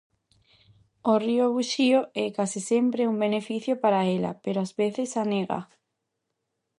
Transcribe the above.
O río Buxío é, case sempre, un beneficio para ela, pero ás veces anégaa.